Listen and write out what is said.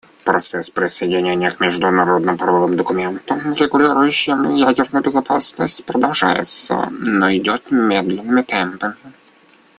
Процесс присоединения к международно-правовым документам, регулирующим ядерную безопасность, продолжается, но идет медленными темпами.